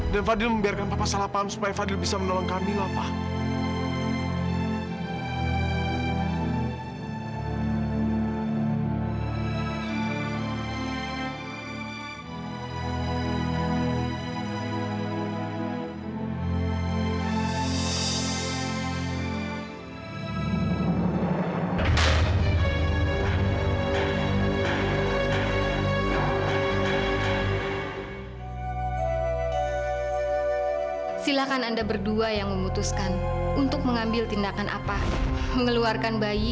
dan fadil membiarkan papa salah paham supaya fadil bisa menolong kamila pak